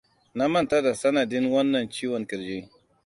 na manta da sanadin wannan ciwon kirji